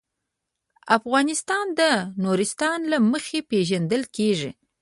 افغانستان د نورستان له مخې پېژندل کېږي.